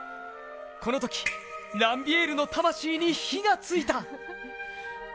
このときランビエールの魂に火がついた！